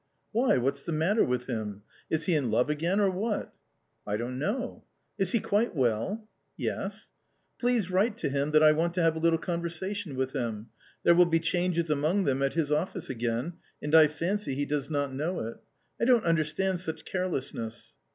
" Why, what's the matter with him ? Is he in love again, or what ?"" I don't know." " Is he quite well ?"" Yes." " Please write to him that I want to have a little conver sation with him. There will be changes among them at his office again, and I fancy he does not know it.«, I don't understand such carelessness."